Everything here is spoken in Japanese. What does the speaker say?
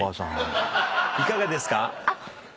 いかがですか？